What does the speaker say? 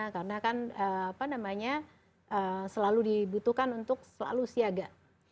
karena kan apa namanya selalu dibutuhkan untuk selalu siaga